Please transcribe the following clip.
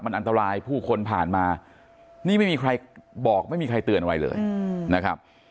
มันอันตรายผู้คนผ่านมานี่ไม่มีใครบอกไม่มีใครเตือนอะไรเลยนะครับ